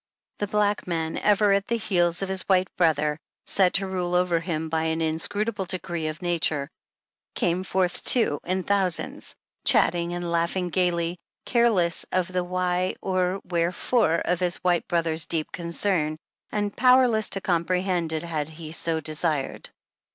The black man, ever at the heels of his white brother, set to rule over him by an inscrutable decree of nature, came forth too in thousands, chatting and laughing gayly, careless of the why or wherefore of his white brother's deep concern, and powerless to comprehend it had he so desired.